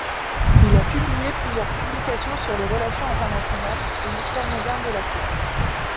Il a publié plusieurs publications sur les relations internationales et l'histoire moderne de l'Afrique.